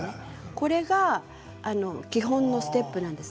これが基本のステップなんです。